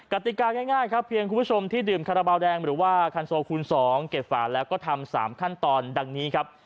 ติกาง่ายครับเพียงคุณผู้ชมที่ดื่มคาราบาลแดงหรือว่าคันโซคูณ๒เก็บฝาแล้วก็ทำ๓ขั้นตอนดังนี้ครับ